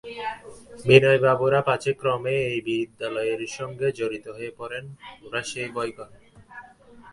বিনয়বাবুরা পাছে ক্রমে এই বিদ্যালয়ের সঙ্গে জড়িত হয়ে পড়েন ওঁরা সেই ভয় করেন।